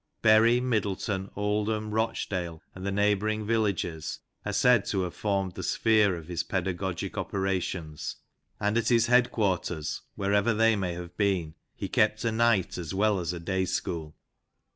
Bury, Middleton, Oldham, Roclidale, and the neighbouring villages, are said to have formed the sphere of his pedagogic operations, and at his head quarters, wherever they may have been, he kept a night as well as a 244 LANCASHIRE WORTHIES. day school.